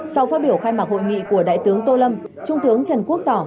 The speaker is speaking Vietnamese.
sau phát biểu khai mạc hội nghị của đại tướng tô lâm trung tướng trần quốc tỏ